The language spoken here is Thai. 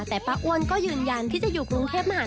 แต่ป้าอ้วนก็ยืนยันที่จะอยู่กรุงเทพมหานคร